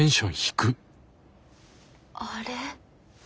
あれ？